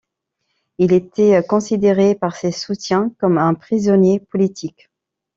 Il était considéré par ses soutiens comme un prisonnier politique.